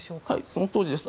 そのとおりです。